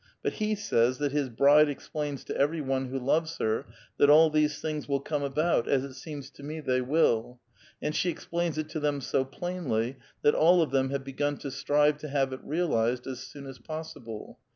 But he says that his 'bride' explains to every one who loves her that all these things will come about as it seems to me they will, and she explains it to them so plainly that all of them have begun to strive to have it real ized as soon as possible.